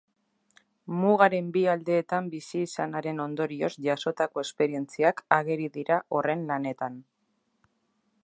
Mugaren bi aldeetan bizi izanaren ondorioz jasotako esperientziak ageri dira horren lanetan.